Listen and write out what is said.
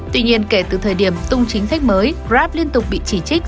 tuy nhiên kể từ thời điểm tung chính sách mới grab liên tục bị chỉ trích